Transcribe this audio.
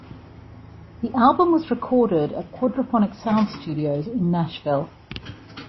The album was recorded at Quadrophonic Sound Studios in Nashville.